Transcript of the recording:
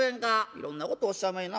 「いろんなことおっしゃいまいな